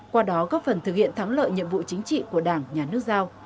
qua đó góp phần thực hiện thắng lợi nhiệm vụ chính trị của đảng nhà nước giao